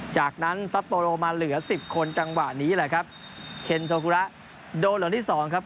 จากนั้นซัปโปโรมาเหลือ๑๐คนจังหวะนี้เลยครับเคนโทษคุระโดลล์อีก๒ครับ